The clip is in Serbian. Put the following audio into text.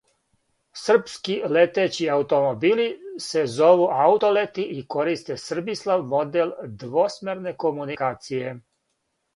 Србски летећи аутомобили се зову Аутолети, и користе СРБИСЛАВ модел двосмерне комуникације!